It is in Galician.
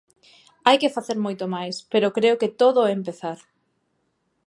Hai que facer moito máis, pero creo que todo é empezar.